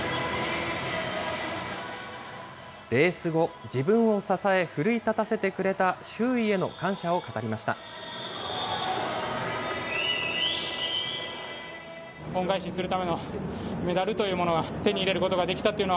レース後、自分を支え、奮い立たせてくれた周囲への感謝を語りました。